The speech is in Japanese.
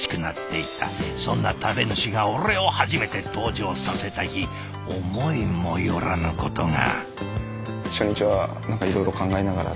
そんな食べ主が俺を初めて登場させた日思いもよらぬことが。